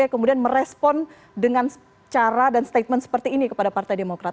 kemudian merespon dengan cara dan statement seperti ini kepada partai demokrat